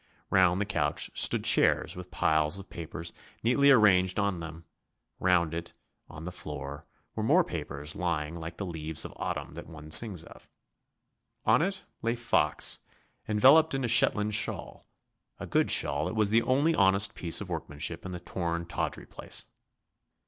Round the couch stood chairs with piles of papers neatly arranged on them; round it, on the floor, were more papers lying like the leaves of autumn that one sings of. On it lay Fox, enveloped in a Shetland shawl a good shawl that was the only honest piece of workmanship in the torn tawdry place.